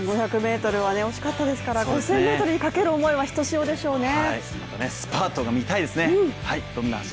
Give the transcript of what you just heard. １５００ｍは惜しかったですから５０００ｍにかける思いはひとしおでしょうね。